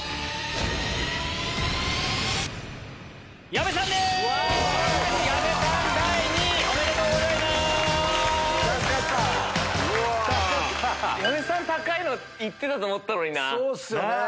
矢部さん高いの行ってたと思ったのにな。